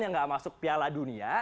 yang gak masuk piala dunia